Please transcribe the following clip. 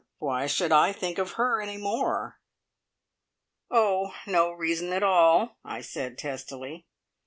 Why should I think of her any more?" "Oh, no reason at all!" I said testily.